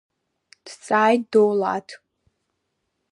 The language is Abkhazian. Дҵааит Доулаҭ.